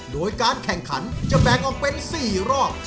โดยการแข่งขันจะแบ่งออกเป็น๔รอบ